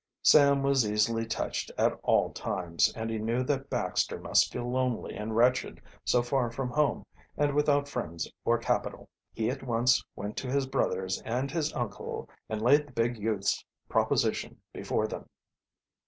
Sam was easily touched at all times, and he knew that Baxter must feel lonely and wretched so far from home and without friends or capital. He at once went to his brothers and his uncle and laid the big youth's proposition before them.